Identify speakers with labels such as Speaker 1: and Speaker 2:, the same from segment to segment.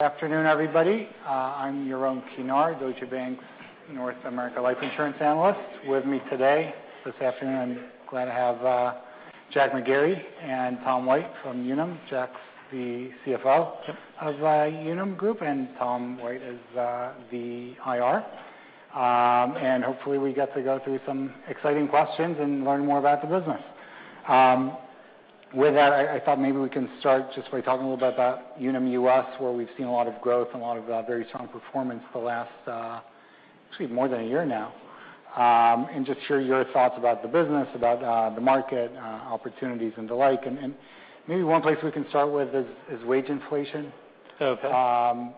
Speaker 1: Good afternoon, everybody. I'm Jerome Pinar, Deutsche Bank's North America Life Insurance Analyst. With me today, this afternoon, I'm glad to have Jack McGarry and Tom White from Unum. Jack's the CFO-
Speaker 2: Yep
Speaker 1: of Unum Group, and Tom White is the IR. Hopefully we get to go through some exciting questions and learn more about the business. With that, I thought maybe we can start just by talking a little about Unum US, where we've seen a lot of growth and a lot of very strong performance the last, actually more than one year now. Just share your thoughts about the business, about the market, opportunities, and the like. Maybe one place we can start with is wage inflation.
Speaker 2: Okay.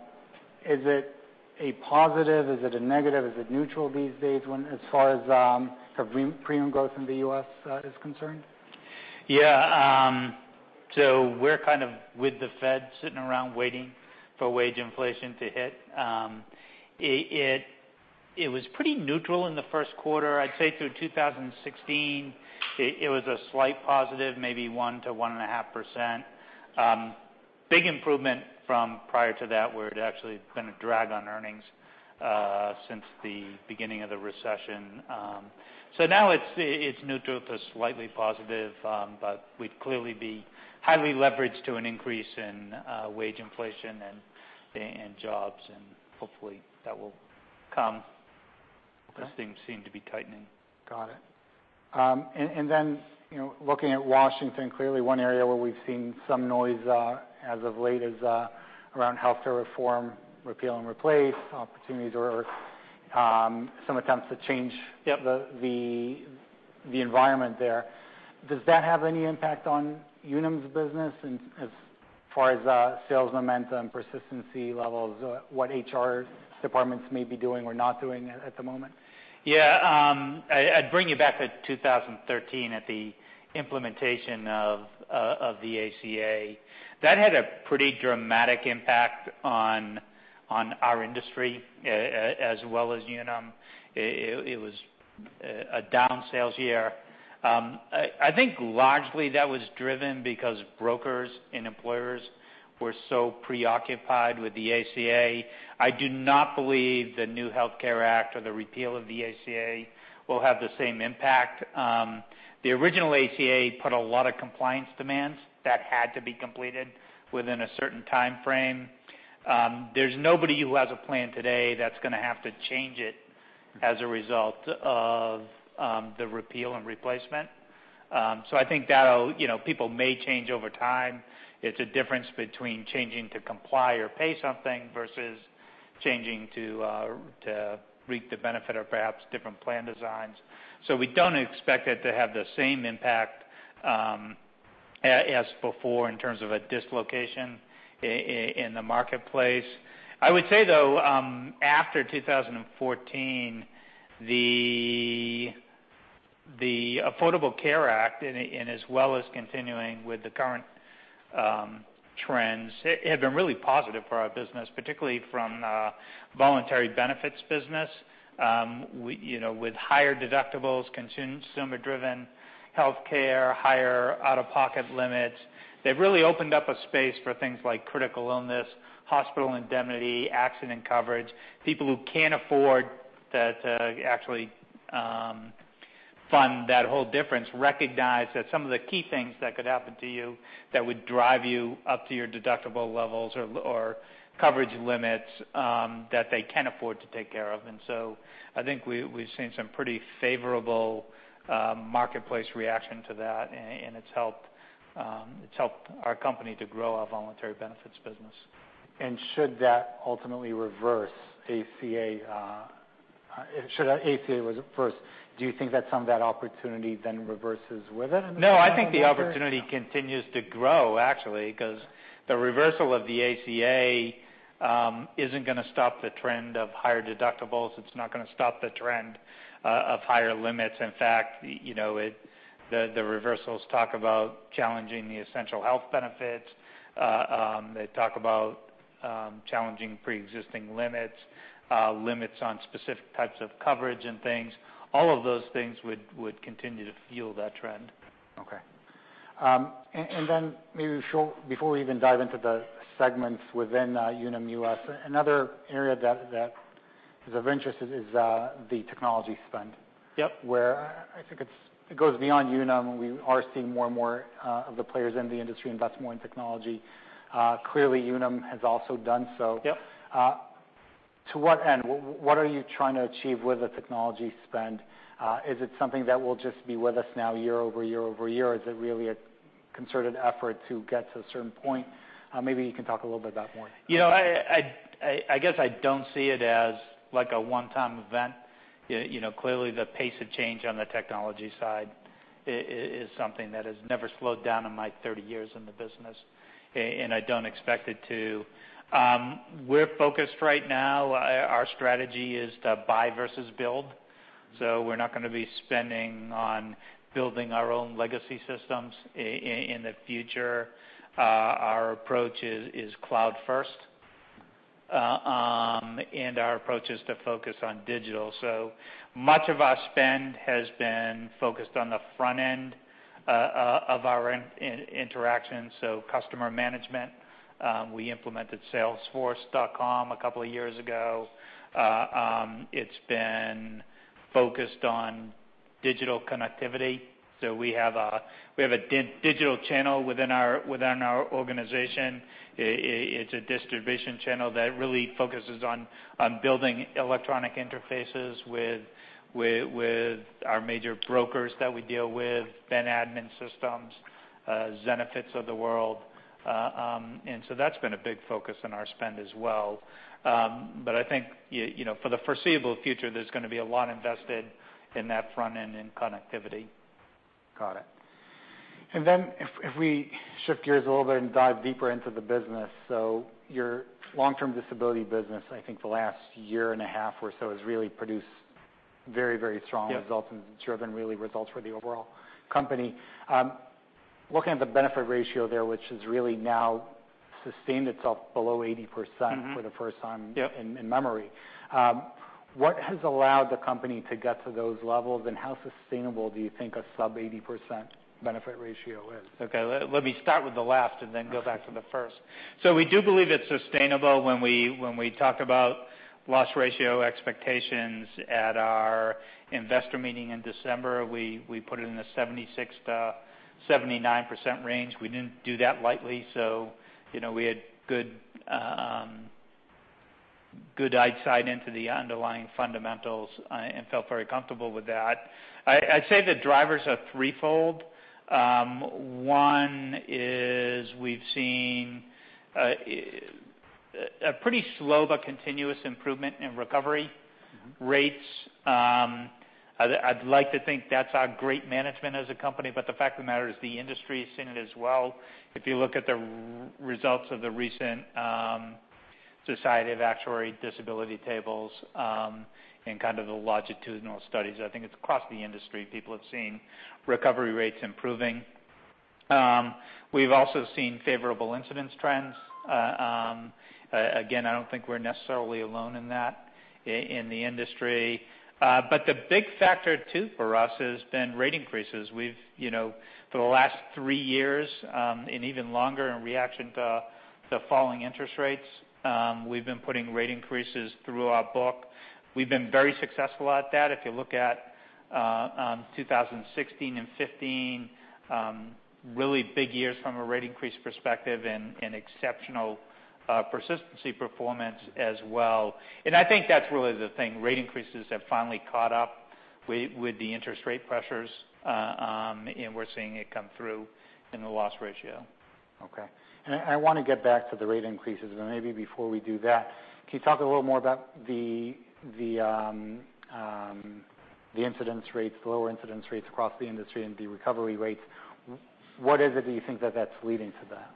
Speaker 1: Is it a positive? Is it a negative? Is it neutral these days as far as the premium growth in the U.S. is concerned?
Speaker 2: Yeah. We're kind of with the Fed, sitting around waiting for wage inflation to hit. It was pretty neutral in the first quarter. I'd say through 2016, it was a slight positive, maybe 1%-1.5%. Big improvement from prior to that, where it actually had been a drag on earnings since the beginning of the recession. Now it's neutral to slightly positive. We'd clearly be highly leveraged to an increase in wage inflation and jobs, and hopefully that will come.
Speaker 1: Okay.
Speaker 2: Things seem to be tightening.
Speaker 1: Got it. Looking at Washington, clearly one area where we've seen some noise as of late is around healthcare reform, repeal and replace opportunities, or some attempts to change-
Speaker 2: Yep
Speaker 1: the environment there. Does that have any impact on Unum's business as far as sales momentum, persistency levels, what HR departments may be doing or not doing at the moment?
Speaker 2: Yeah. I'd bring you back to 2013 at the implementation of the ACA. That had a pretty dramatic impact on our industry, as well as Unum. It was a down sales year. I think largely that was driven because brokers and employers were so preoccupied with the ACA. I do not believe the new Health Care Act or the repeal of the ACA will have the same impact. The original ACA put a lot of compliance demands that had to be completed within a certain timeframe. There's nobody who has a plan today that's going to have to change it as a result of the repeal and replacement. I think people may change over time. It's a difference between changing to comply or pay something versus changing to reap the benefit of perhaps different plan designs. We don't expect it to have the same impact as before in terms of a dislocation in the marketplace. I would say, though, after 2014, the Affordable Care Act, as well as continuing with the current trends, have been really positive for our business, particularly from a voluntary benefits business. With higher deductibles, consumer-driven healthcare, higher out-of-pocket limits, they've really opened up a space for things like Critical Illness, hospital indemnity, accident coverage. People who can't afford to actually fund that whole difference recognize that some of the key things that could happen to you that would drive you up to your deductible levels or coverage limits, that they can afford to take care of. I think we've seen some pretty favorable marketplace reaction to that, and it's helped our company to grow our voluntary benefits business.
Speaker 1: Should that ultimately reverse, ACA, should ACA reverse, do you think that some of that opportunity then reverses with it in the short term?
Speaker 2: No, I think the opportunity continues to grow, actually. The reversal of the ACA isn't going to stop the trend of higher deductibles. It's not going to stop the trend of higher limits. In fact, the reversals talk about challenging the essential health benefits. They talk about challenging pre-existing limits on specific types of coverage and things. All of those things would continue to fuel that trend.
Speaker 1: Okay. Maybe before we even dive into the segments within Unum US, another area that is of interest is the technology spend.
Speaker 2: Yep.
Speaker 1: Where I think it goes beyond Unum. We are seeing more and more of the players in the industry invest more in technology. Clearly, Unum has also done so.
Speaker 2: Yep.
Speaker 1: To what end? What are you trying to achieve with the technology spend? Is it something that will just be with us now year over year over year? Is it really a concerted effort to get to a certain point? Maybe you can talk a little bit about more.
Speaker 2: I guess I don't see it as a one-time event. Clearly, the pace of change on the technology side is something that has never slowed down in my 30 years in the business, and I don't expect it to. We're focused right now. Our strategy is to buy versus build. We're not going to be spending on building our own legacy systems in the future. Our approach is cloud first. Our approach is to focus on digital. Much of our spend has been focused on the front end of our interaction, customer management. We implemented salesforce.com a couple of years ago. It's been focused on digital connectivity. We have a digital channel within our organization. It's a distribution channel that really focuses on building electronic interfaces with our major brokers that we deal with, BenAdmin systems, Zenefits of the world. That's been a big focus in our spend as well. I think for the foreseeable future, there's going to be a lot invested in that front end in connectivity.
Speaker 1: Got it. If we shift gears a little bit and dive deeper into the business. Your long-term disability business, I think the last year and a half or so, has really produced very strong.
Speaker 2: Yeah
Speaker 1: results and driven really results for the overall company. Looking at the benefit ratio there, which has really now sustained itself below 80%. for the first time.
Speaker 2: Yep
Speaker 1: in memory. What has allowed the company to get to those levels, and how sustainable do you think a sub 80% benefit ratio is?
Speaker 2: Let me start with the last and then go back to the first. We do believe it's sustainable. When we talked about loss ratio expectations at our investor meeting in December, we put it in a 76%-79% range. We didn't do that lightly. We had good insight into the underlying fundamentals and felt very comfortable with that. I'd say the drivers are threefold. One is we've seen a pretty slow but continuous improvement in recovery rates. I'd like to think that's our great management as a company. The fact of the matter is the industry has seen it as well. If you look at the results of the recent Society of Actuaries disability tables, and kind of the longitudinal studies, I think it's across the industry, people have seen recovery rates improving. We've also seen favorable incidence trends. Again, I don't think we're necessarily alone in that in the industry. The big factor too for us has been rate increases. For the last three years, and even longer, in reaction to the falling interest rates, we've been putting rate increases through our book. We've been very successful at that. If you look at 2016 and 2015, really big years from a rate increase perspective and exceptional persistency performance as well. I think that's really the thing. Rate increases have finally caught up with the interest rate pressures. We're seeing it come through in the loss ratio.
Speaker 1: I want to get back to the rate increases. Maybe before we do that, can you talk a little more about the incidence rates, the lower incidence rates across the industry and the recovery rates? What is it that you think that's leading to that?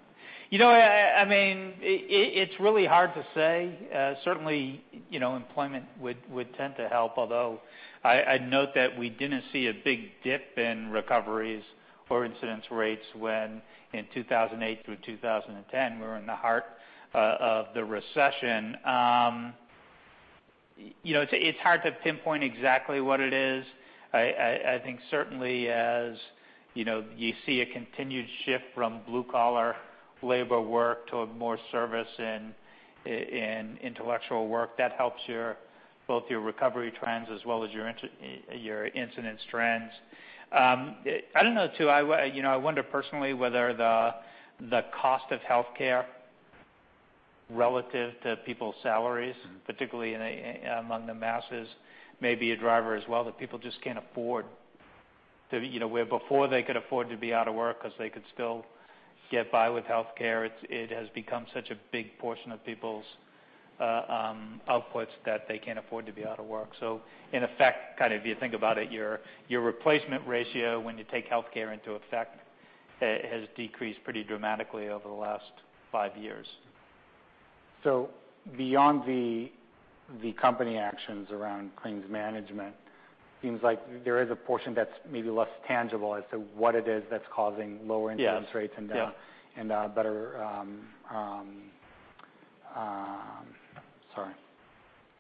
Speaker 2: It's really hard to say. Certainly, employment would tend to help, although I'd note that we didn't see a big dip in recoveries or incidence rates when in 2008 through 2010, we were in the heart of the recession. It's hard to pinpoint exactly what it is. I think certainly as you see a continued shift from blue collar labor work to a more service and intellectual work, that helps both your recovery trends as well as your incidence trends. I don't know, too. I wonder personally whether the cost of healthcare relative to people's salaries. particularly among the masses, may be a driver as well, that people just can't afford to. Where before they could afford to be out of work because they could still get by with healthcare, it has become such a big portion of people's outputs that they can't afford to be out of work. In effect, if you think about it, your replacement ratio when you take healthcare into effect, has decreased pretty dramatically over the last five years.
Speaker 1: Beyond the company actions around claims management, seems like there is a portion that's maybe less tangible as to what it is that's causing lower incidence rates.
Speaker 2: Yes
Speaker 1: better Sorry.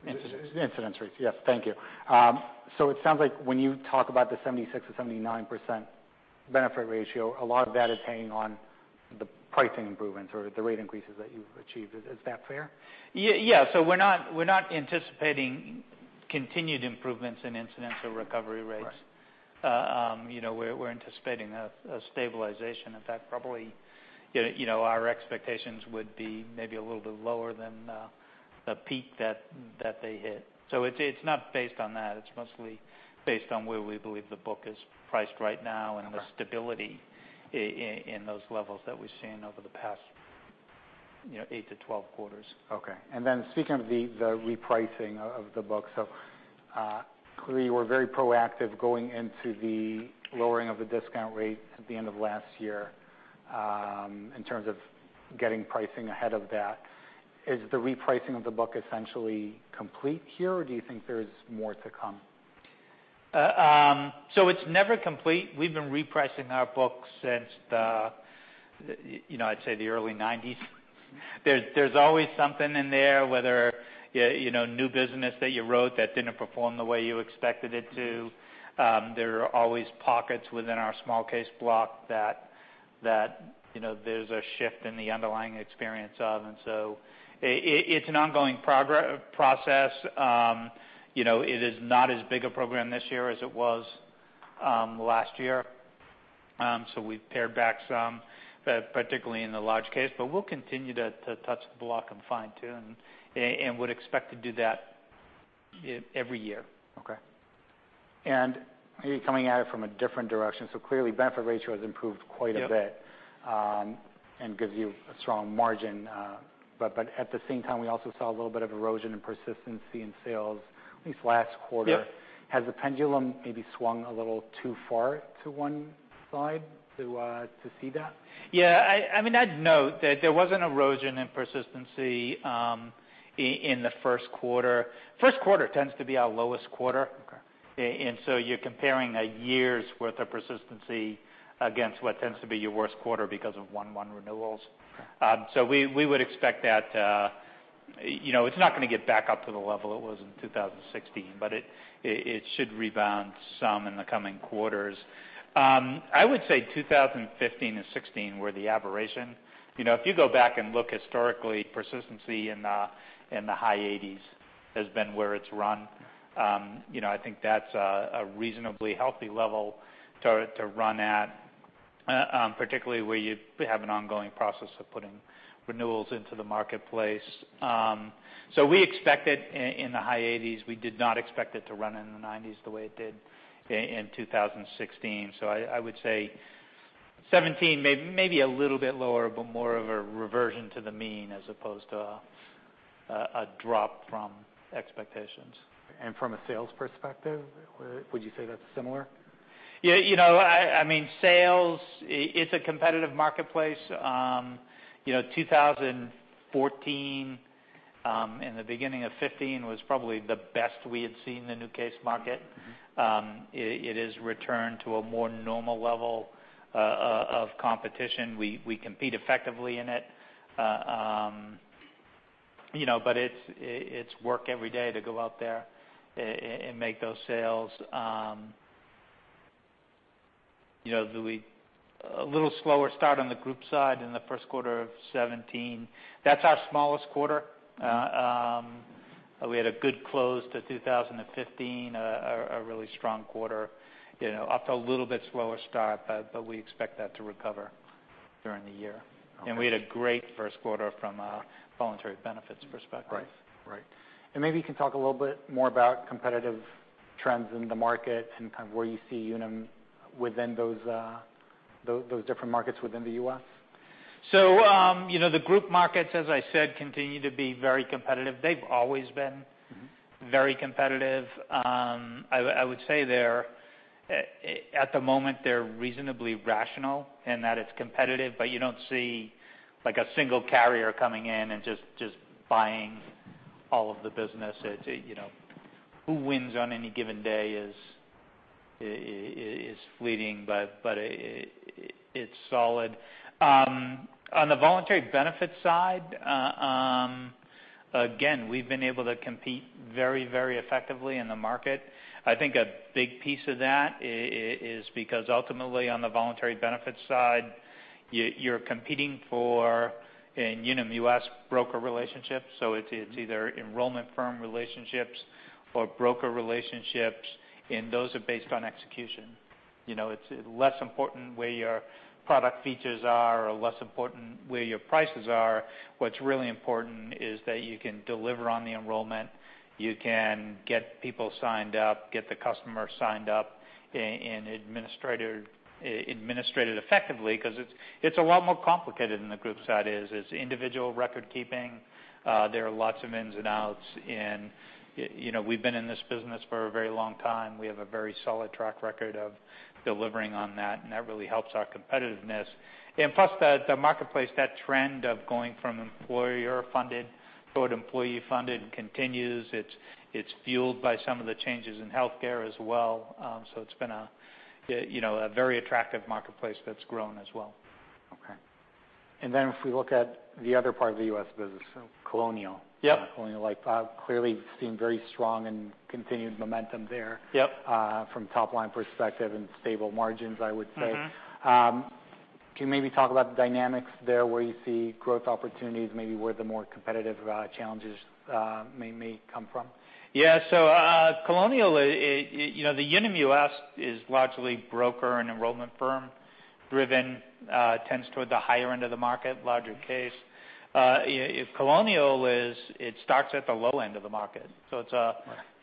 Speaker 2: Incidence.
Speaker 1: Incidence rates. Yes. Thank you. It sounds like when you talk about the 76%-79% benefit ratio, a lot of that is hanging on the pricing improvements or the rate increases that you've achieved. Is that fair?
Speaker 2: Yeah. We're not anticipating continued improvements in incidence or recovery rates.
Speaker 1: Right.
Speaker 2: We're anticipating a stabilization. In fact, probably our expectations would be maybe a little bit lower than the peak that they hit. It's not based on that. It's mostly based on where we believe the book is priced right now.
Speaker 1: Okay
Speaker 2: The stability in those levels that we've seen over the past 8-12 quarters.
Speaker 1: Okay. Speaking of the repricing of the book. Clearly you were very proactive going into the lowering of the discount rate at the end of last year, in terms of getting pricing ahead of that. Is the repricing of the book essentially complete here, or do you think there's more to come?
Speaker 2: It's never complete. We've been repricing our books since the, I'd say the early 1990s. There's always something in there, whether new business that you wrote that didn't perform the way you expected it to. There are always pockets within our small case block that there's a shift in the underlying experience of, it's an ongoing process. It is not as big a program this year as it was last year. We've pared back some, particularly in the large case. We'll continue to touch the block and fine-tune, and would expect to do that every year.
Speaker 1: Okay. Maybe coming at it from a different direction. Clearly benefit ratio has improved quite a bit-
Speaker 2: Yep
Speaker 1: Gives you a strong margin. At the same time, we also saw a little bit of erosion in persistency in sales, at least last quarter.
Speaker 2: Yep.
Speaker 1: Has the pendulum maybe swung a little too far to one side to see that?
Speaker 2: Yeah. I'd note that there was an erosion in persistency in the first quarter. First quarter tends to be our lowest quarter.
Speaker 1: Okay.
Speaker 2: You're comparing a year's worth of persistency against what tends to be your worst quarter because of 1/1 renewals.
Speaker 1: Okay.
Speaker 2: We would expect that, it's not going to get back up to the level it was in 2016, but it should rebound some in the coming quarters. I would say 2015 and 2016 were the aberration. If you go back and look historically, persistency in the high 80s has been where it's run. I think that's a reasonably healthy level to run at, particularly where you have an ongoing process of putting renewals into the marketplace. We expect it in the high 80s. We did not expect it to run in the 90s the way it did in 2016. I would say 2017 may be a little bit lower, but more of a reversion to the mean, as opposed to a drop from expectations.
Speaker 1: From a sales perspective, would you say that's similar?
Speaker 2: Yeah. Sales, it's a competitive marketplace. 2014, the beginning of 2015 was probably the best we had seen the new case market. It is returned to a more normal level of competition. We compete effectively in it. It's work every day to go out there and make those sales. A little slower start on the group side in the first quarter of 2017. That's our smallest quarter.
Speaker 1: Okay.
Speaker 2: We had a good close to 2015, a really strong quarter. Off to a little bit slower start, we expect that to recover during the year.
Speaker 1: Okay.
Speaker 2: We had a great first quarter from a voluntary benefits perspective.
Speaker 1: Right. Maybe you can talk a little bit more about competitive trends in the market and where you see Unum within those different markets within the U.S.
Speaker 2: The group markets, as I said, continue to be very competitive. Very competitive. I would say they're, at the moment, they're reasonably rational in that it's competitive, but you don't see like a single carrier coming in and just buying all of the business. Who wins on any given day is fleeting, but it's solid. On the voluntary benefits side, again, we've been able to compete very, very effectively in the market. I think a big piece of that is because ultimately on the voluntary benefits side, you're competing for, in Unum US, broker relationships. It's either enrollment firm relationships or broker relationships, and those are based on execution. It's less important where your product features are, or less important where your prices are. What's really important is that you can deliver on the enrollment, you can get people signed up, get the customer signed up, and administrated effectively, because it's a lot more complicated than the group side is. It's individual record keeping. There are lots of ins and outs, We've been in this business for a very long time. We have a very solid track record of delivering on that, That really helps our competitiveness. Plus the marketplace, that trend of going from employer-funded to employee-funded continues. It's fueled by some of the changes in healthcare as well. It's been a very attractive marketplace that's grown as well.
Speaker 1: Okay. If we look at the other part of the U.S. business, Colonial.
Speaker 2: Yep.
Speaker 1: Colonial Life, clearly seen very strong and continued momentum there.
Speaker 2: Yep
Speaker 1: From top-line perspective, stable margins, I would say. Can you maybe talk about the dynamics there, where you see growth opportunities, maybe where the more competitive challenges may come from?
Speaker 2: Yeah. Colonial, Unum US is largely broker and enrollment firm driven, tends toward the higher end of the market, larger case. Colonial starts at the low end of the market.
Speaker 1: Right.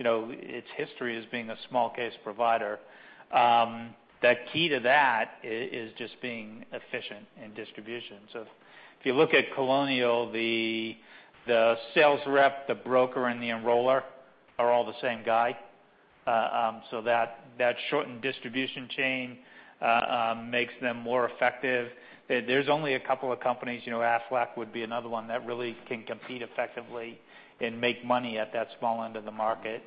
Speaker 2: Its history is being a small case provider. The key to that is just being efficient in distribution. If you look at Colonial, the sales rep, the broker, and the enroller are all the same guy. That shortened distribution chain makes them more effective. There's only a couple of companies, Aflac would be another one, that really can compete effectively and make money at that small end of the market.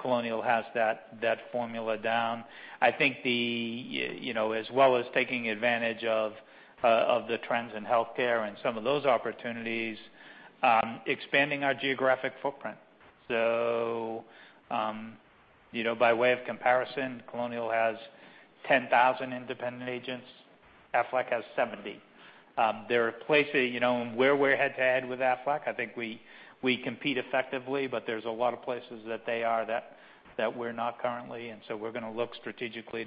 Speaker 2: Colonial has that formula down. I think as well as taking advantage of the trends in healthcare and some of those opportunities, expanding our geographic footprint. By way of comparison, Colonial has 10,000 independent agents. Aflac has 70. There are places where we're head-to-head with Aflac. I think we compete effectively, there's a lot of places that they are that we're not currently, we're going to look strategically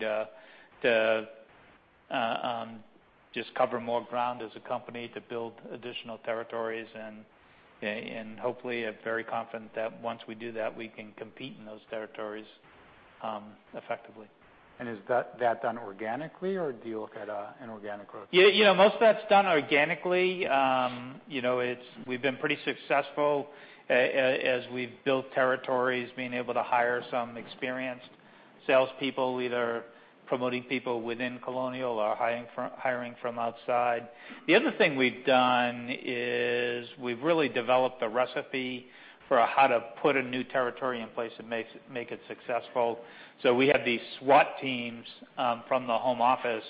Speaker 2: to just cover more ground as a company to build additional territories, hopefully, I'm very confident that once we do that, we can compete in those territories effectively.
Speaker 1: Is that done organically, or do you look at inorganic growth?
Speaker 2: Most of that's done organically. We've been pretty successful as we've built territories, being able to hire some experienced salespeople, either promoting people within Colonial or hiring from outside. The other thing we've done is we've really developed a recipe for how to put a new territory in place and make it successful. We have these SWAT teams from the home office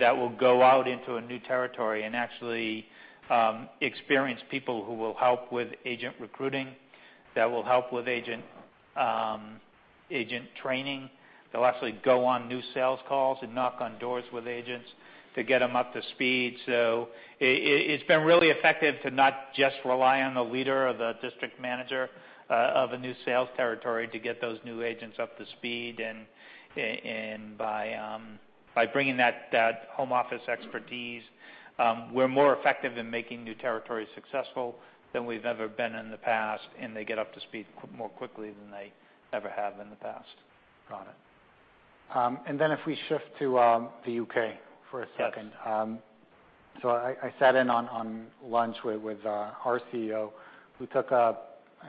Speaker 2: that will go out into a new territory and actually experienced people who will help with agent recruiting, that will help with agent training. They'll actually go on new sales calls and knock on doors with agents to get them up to speed. It's been really effective to not just rely on the leader or the district manager of a new sales territory to get those new agents up to speed. By bringing that home office expertise, we're more effective in making new territories successful than we've ever been in the past, and they get up to speed more quickly than they ever have in the past.
Speaker 1: Got it. If we shift to the U.K. for a second.
Speaker 2: Yes.
Speaker 1: I sat in on lunch with our CEO, who took, I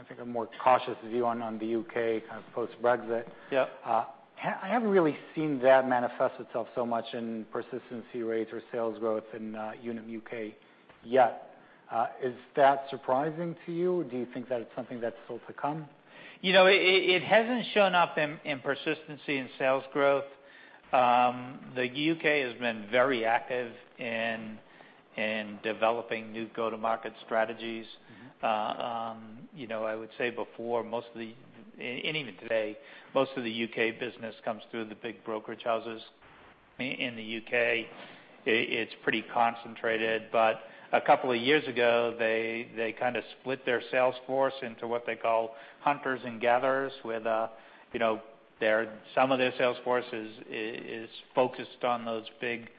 Speaker 1: think, a more cautious view on the U.K. kind of post-Brexit.
Speaker 2: Yep.
Speaker 1: I haven't really seen that manifest itself so much in persistency rates or sales growth in Unum U.K. yet. Is that surprising to you? Do you think that it's something that's still to come?
Speaker 2: It hasn't shown up in persistency and sales growth. The U.K. has been very active in developing new go-to-market strategies. I would say before, and even today, most of the U.K. business comes through the big brokerage houses in the U.K. It's pretty concentrated. A couple of years ago, they kind of split their sales force into what they call hunters and gatherers, where some of their sales force is focused on those big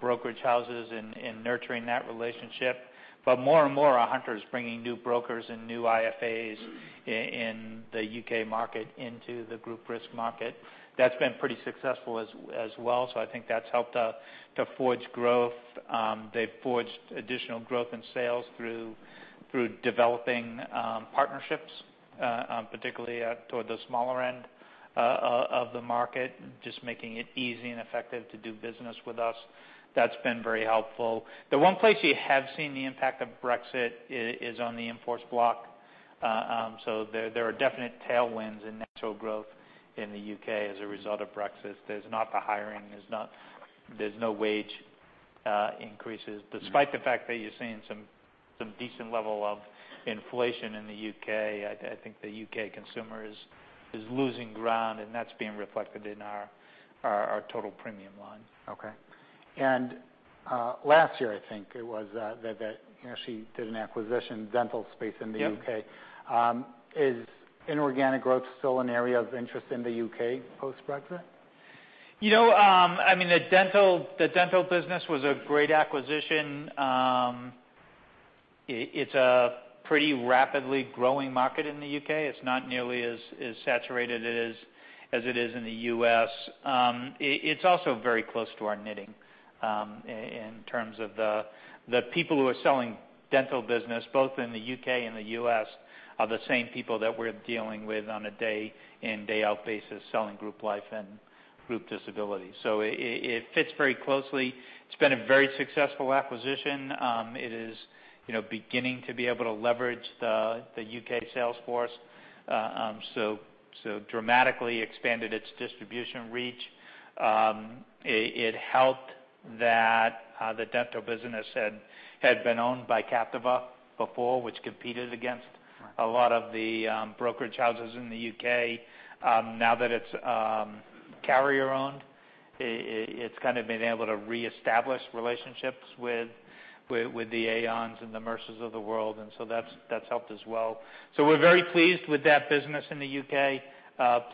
Speaker 2: brokerage houses and nurturing that relationship. More and more are hunters bringing new brokers and new IFAs in the U.K. market into the group risk market. That's been pretty successful as well. I think that's helped to forge growth. They've forged additional growth in sales through developing partnerships, particularly toward the smaller end of the market, just making it easy and effective to do business with us. That's been very helpful. The one place you have seen the impact of Brexit is on the in-force block. There are definite tailwinds in natural growth in the U.K. as a result of Brexit. There's not the hiring, there's no wage increases. Despite the fact that you're seeing some decent level of inflation in the U.K., I think the U.K. consumer is losing ground, and that's being reflected in our total premium line.
Speaker 1: Okay. Last year, I think it was, that you actually did an acquisition dental space in the U.K.
Speaker 2: Yep.
Speaker 1: Is inorganic growth still an area of interest in the U.K. post-Brexit?
Speaker 2: The dental business was a great acquisition. It's a pretty rapidly growing market in the U.K. It's not nearly as saturated as it is in the U.S. It's also very close to our knitting, in terms of the people who are selling dental business, both in the U.K. and the U.S., are the same people that we're dealing with on a day in, day out basis selling group life and group disability. It fits very closely. It's been a very successful acquisition. It is beginning to be able to leverage the U.K. sales force, so dramatically expanded its distribution reach. It helped that the dental business had been owned by Capita before, which competed against a lot of the brokerage houses in the U.K. Now that it's carrier-owned, it's kind of been able to reestablish relationships with the Aon and the Mercer of the world. That's helped as well. We're very pleased with that business in the U.K.,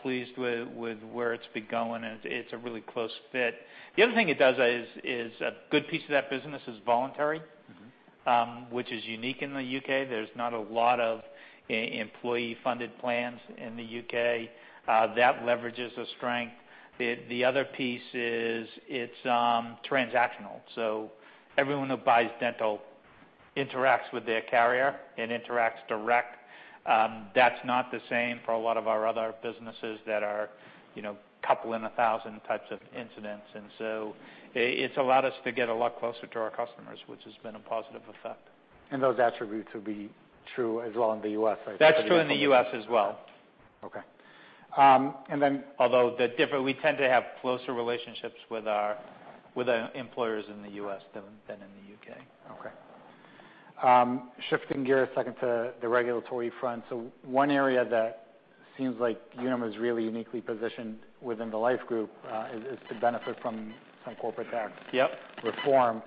Speaker 2: pleased with where it's been going, and it's a really close fit. The other thing it does is a good piece of that business is voluntary- Which is unique in the U.K. There's not a lot of employee-funded plans in the U.K. That leverages a strength. The other piece is it's transactional. Everyone who buys dental interacts with their carrier and interacts direct. That's not the same for a lot of our other businesses that are a couple in 1,000 types of incidents. It's allowed us to get a lot closer to our customers, which has been a positive effect.
Speaker 1: Those attributes would be true as well in the U.S., I presume?
Speaker 2: That's true in the U.S. as well.
Speaker 1: Okay.
Speaker 2: We tend to have closer relationships with the employers in the U.S. than in the U.K.
Speaker 1: Okay. Shifting gears second to the regulatory front. One area that seems like Unum is really uniquely positioned within the life group is to benefit from some corporate tax-
Speaker 2: Yep
Speaker 1: reform.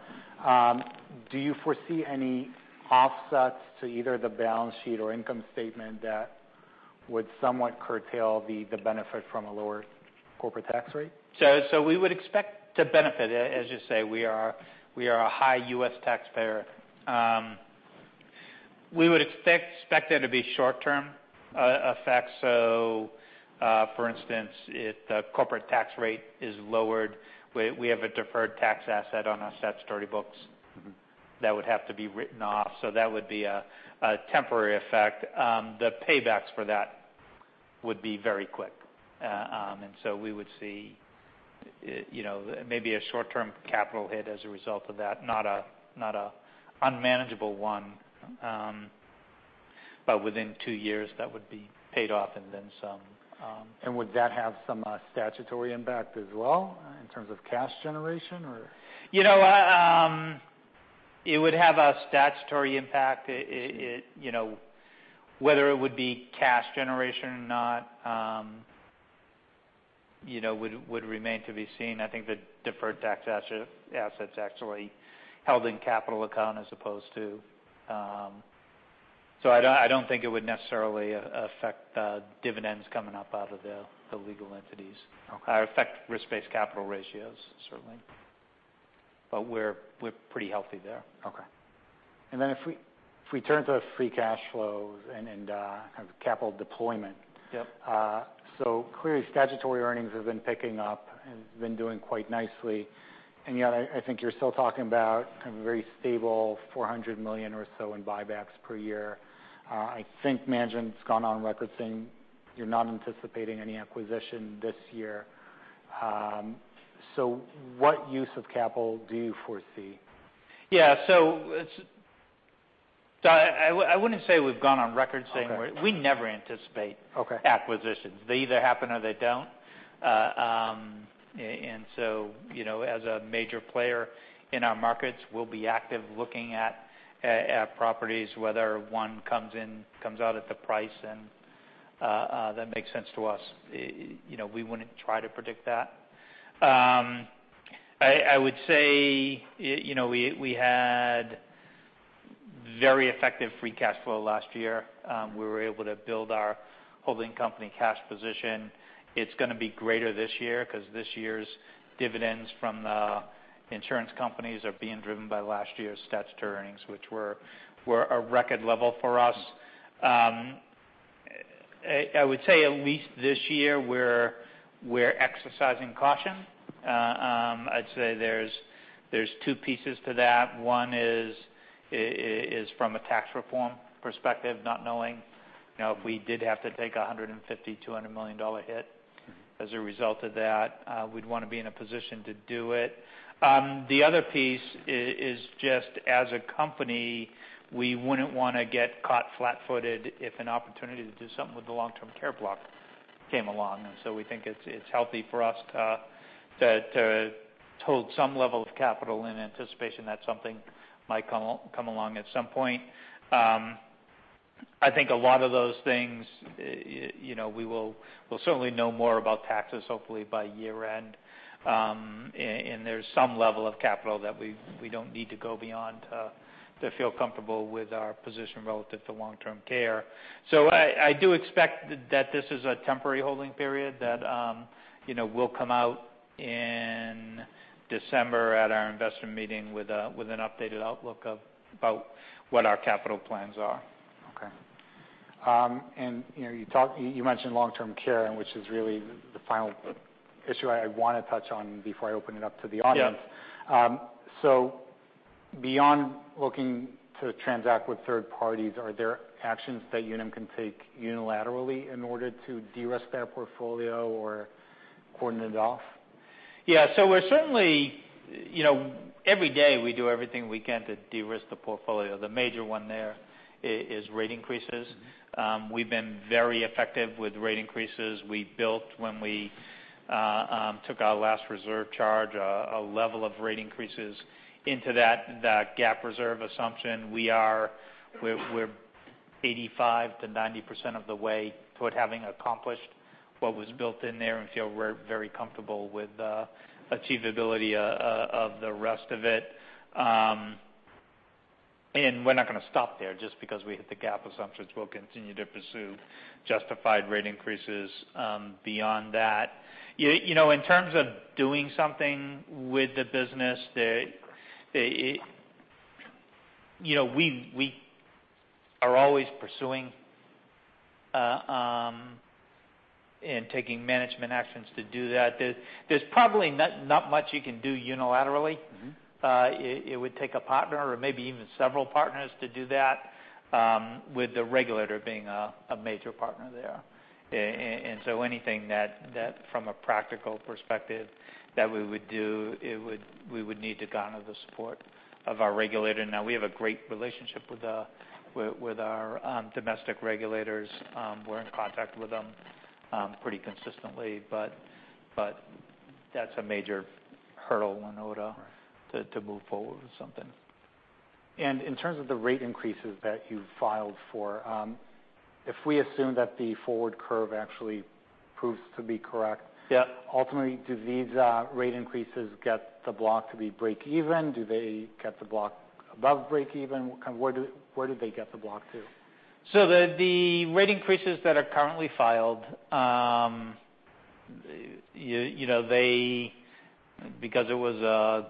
Speaker 1: Do you foresee any offsets to either the balance sheet or income statement that would somewhat curtail the benefit from a lower corporate tax rate?
Speaker 2: We would expect to benefit. As you say, we are a high U.S. taxpayer. We would expect there to be short term effects. For instance, if the corporate tax rate is lowered, we have a deferred tax asset on our statutory books- that would have to be written off. That would be a temporary effect. The paybacks for that would be very quick. We would see maybe a short term capital hit as a result of that, not an unmanageable one. Within two years, that would be paid off and then some.
Speaker 1: Would that have some statutory impact as well in terms of cash generation or?
Speaker 2: It would have a statutory impact. Whether it would be cash generation or not would remain to be seen. I think the deferred tax asset's actually held in capital account as opposed to I don't think it would necessarily affect dividends coming up out of the legal entities.
Speaker 1: Okay.
Speaker 2: Affect risk-based capital ratios, certainly. We're pretty healthy there.
Speaker 1: Okay. If we turn to free cash flows and capital deployment.
Speaker 2: Yep.
Speaker 1: Clearly statutory earnings have been picking up and been doing quite nicely, and yet I think you're still talking about a very stable $400 million or so in buybacks per year. I think management's gone on record saying you're not anticipating any acquisition this year. What use of capital do you foresee?
Speaker 2: Yeah. I wouldn't say we've gone on record saying
Speaker 1: Okay
Speaker 2: we never anticipate-.
Speaker 1: Okay
Speaker 2: acquisitions. They either happen or they don't. As a major player in our markets, we'll be active looking at properties, whether one comes out at the price and that makes sense to us. We wouldn't try to predict that. I would say we had very effective free cash flow last year. We were able to build our holding company cash position. It's going to be greater this year because this year's dividends from the insurance companies are being driven by last year's statutory earnings, which were a record level for us. I would say at least this year we're exercising caution. I'd say there's two pieces to that. One is from a tax reform perspective, not knowing if we did have to take $150 million, $200 million hit as a result of that. We'd want to be in a position to do it. The other piece is just as a company, we wouldn't want to get caught flat-footed if an opportunity to do something with the long-term care block came along. We think it's healthy for us to hold some level of capital in anticipation that something might come along at some point. I think a lot of those things, we'll certainly know more about taxes hopefully by year-end. There's some level of capital that we don't need to go beyond to feel comfortable with our position relative to long-term care. I do expect that this is a temporary holding period that we'll come out in December at our investment meeting with an updated outlook about what our capital plans are.
Speaker 1: Okay. You mentioned long-term care, which is really the final issue I want to touch on before I open it up to the audience.
Speaker 2: Yeah.
Speaker 1: Beyond looking to transact with third parties, are there actions that Unum can take unilaterally in order to de-risk their portfolio or cordon it off?
Speaker 2: Yeah. Every day we do everything we can to de-risk the portfolio. The major one there is rate increases. We've been very effective with rate increases. We built when we took our last reserve charge, a level of rate increases into that GAAP reserve assumption. We're 85%-90% of the way toward having accomplished what was built in there and feel very comfortable with achievability of the rest of it. We're not going to stop there just because we hit the GAAP assumptions. We'll continue to pursue justified rate increases beyond that. In terms of doing something with the business, We're always pursuing and taking management actions to do that. There's probably not much you can do unilaterally. It would take a partner or maybe even several partners to do that, with the regulator being a major partner there. Anything that from a practical perspective that we would do, we would need to garner the support of our regulator. Now, we have a great relationship with our domestic regulators. We're in contact with them pretty consistently, but that's a major hurdle, you know to
Speaker 1: Right
Speaker 2: to move forward with something.
Speaker 1: In terms of the rate increases that you've filed for, if we assume that the forward curve actually proves to be correct?
Speaker 2: Yeah
Speaker 1: Ultimately, do these rate increases get the block to be break even? Do they get the block above break even? Where do they get the block to?
Speaker 2: The rate increases that are currently filed, because it was a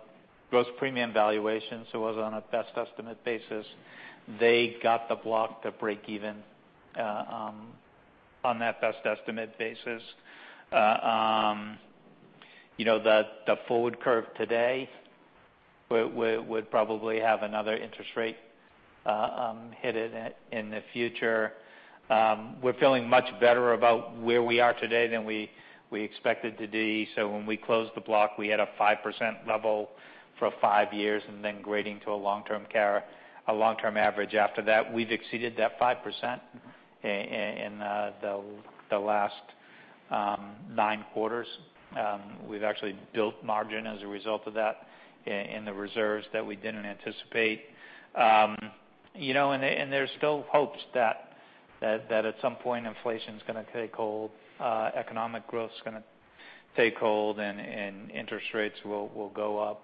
Speaker 2: gross premium valuation, so it was on a best estimate basis, they got the block to break even on that best estimate basis. The forward curve today would probably have another interest rate hit in the future. We're feeling much better about where we are today than we expected to be, so when we closed the block, we had a 5% level for five years and then grading to a long-term average after that. We've exceeded that 5% in the last nine quarters. We've actually built margin as a result of that in the reserves that we didn't anticipate. There's still hopes that at some point inflation's going to take hold, economic growth's going to take hold, and interest rates will go up.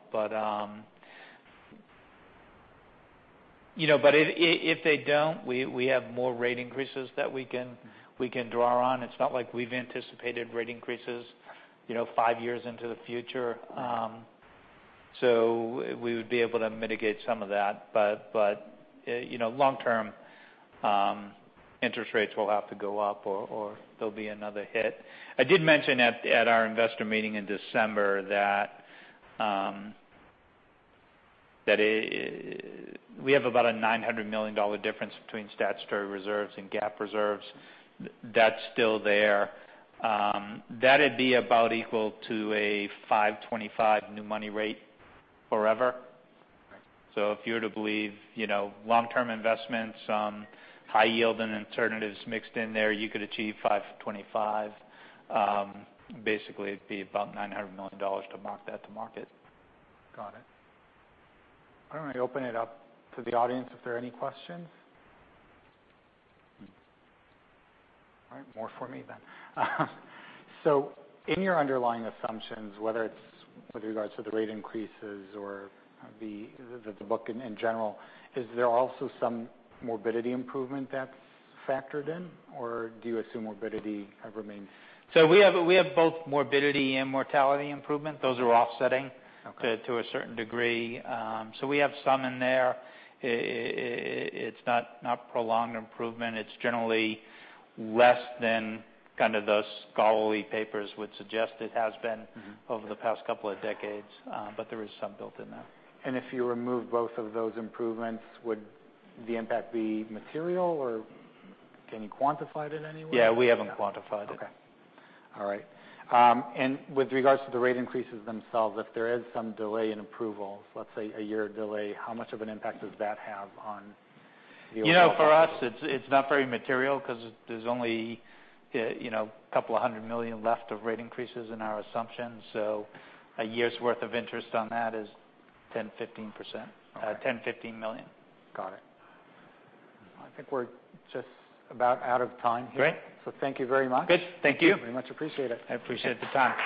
Speaker 2: If they don't, we have more rate increases that we can draw on. It's not like we've anticipated rate increases five years into the future. We would be able to mitigate some of that. Long term, interest rates will have to go up or there'll be another hit. I did mention at our investor meeting in December that we have about a $900 million difference between statutory reserves and GAAP reserves. That's still there. That'd be about equal to a 525 new money rate forever.
Speaker 1: Right.
Speaker 2: If you were to believe long-term investments, high yield, and alternatives mixed in there, you could achieve 525. Basically, it'd be about $900 million to mark that to market.
Speaker 1: Got it. Why don't I open it up to the audience if there are any questions? All right. More for me, then. In your underlying assumptions, whether it's with regards to the rate increases or the book in general, is there also some morbidity improvement that's factored in, or do you assume morbidity remains?
Speaker 2: We have both morbidity and mortality improvement. Those are offsetting.
Speaker 1: Okay
Speaker 2: to a certain degree. We have some in there. It's not prolonged improvement. It's generally less than those scholarly papers would suggest it has been. over the past couple of decades. There is some built in there.
Speaker 1: If you remove both of those improvements, would the impact be material, or can you quantify it in any way?
Speaker 2: Yeah, we haven't quantified it.
Speaker 1: Okay. All right. With regards to the rate increases themselves, if there is some delay in approval, let's say a year delay, how much of an impact does that have on the overall?
Speaker 2: For us, it's not very material because there's only a couple of hundred million left of rate increases in our assumptions. A year's worth of interest on that is 10%-15%.
Speaker 1: Okay.
Speaker 2: $10 million-$15 million.
Speaker 1: Got it. I think we're just about out of time here.
Speaker 2: Great.
Speaker 1: thank you very much.
Speaker 2: Good. Thank you.
Speaker 1: Very much appreciate it.
Speaker 2: I appreciate the time.